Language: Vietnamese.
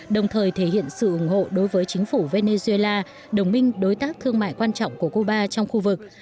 đồng thời thể hiện sự ủng hộ đối với chính phủ venezuela đồng minh đối tác thương mại quan trọng của cuba trong khu vực